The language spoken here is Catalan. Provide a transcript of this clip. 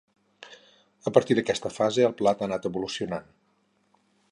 A partir d'aquesta fase el plat ha anat evolucionant.